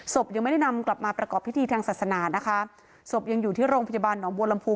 ศพยังไม่ได้นำกลับมาประกอบพิธีทางศาสนานะคะศพยังอยู่ที่โรงพยาบาลหนองบัวลำพู